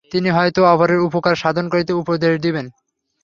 তিনি হয়তো অপরের উপকার সাধন করিতে উপদেশ দিবেন।